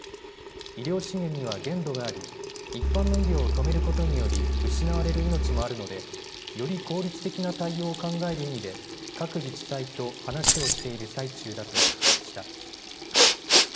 医療資源には限度があり一般の医療を止めることにより失われる命もあるのでより効率的な対応を考える意味で各自治体と話をしている最中だと述べました。